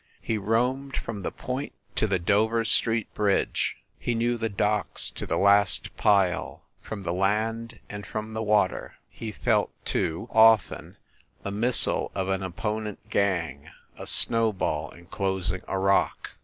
He roamed from the Point to the Dover Street Bridge; he knew the docks to the last pile, from the land and from the water ; he felt, too often, the missile of an opponent gang a snowball enclosing a rock.